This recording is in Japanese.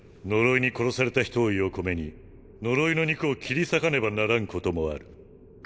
呪いに殺された人を横目に呪いの肉を切り裂かねばならんこともある。